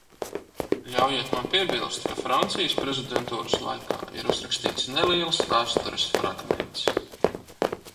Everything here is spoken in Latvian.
Ļaujiet man piebilst, ka Francijas prezidentūras laikā ir uzrakstīts neliels vēstures fragments.